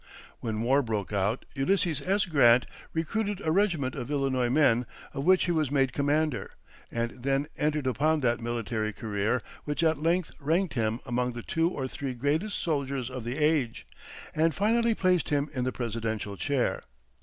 When war broke out, Ulysses S. Grant recruited a regiment of Illinois men, of which he was made commander, and then entered upon that military career which at length ranked him among the two or three greatest soldiers of the age, and finally placed him in the presidential chair.